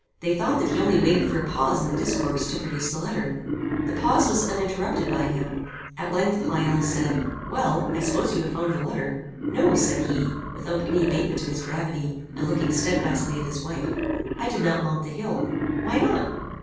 They thought that he only waited for a pause in the discourse, to produce the letter. The pause was uninterrupted by him. At length Pleyel said, "Well, I suppose you have found the letter." "No," said he, without any abatement of his gravity, and looking stedfastly at his wife, "I did not mount the hill." "Why not?"